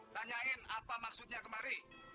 tanyain apa maksudnya kemari